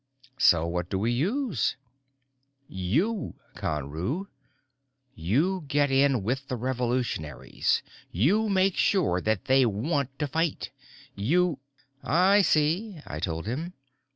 "So what do we use?" "You, Conru. You get in with the revolutionaries, you make sure that they want to fight, you " "I see," I told him.